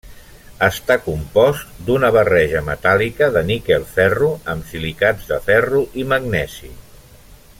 Està compost d'una barreja metàl·lica de níquel-ferro amb silicats de ferro i magnesi.